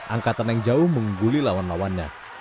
angkatan yang jauh mengguli lawan lawannya